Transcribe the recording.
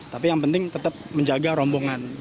tapi yang penting tetap menjaga rombongan